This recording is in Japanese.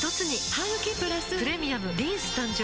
ハグキプラス「プレミアムリンス」誕生